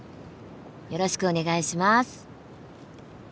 よろしくお願いします。